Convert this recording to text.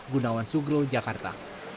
gunawan suglo jakarta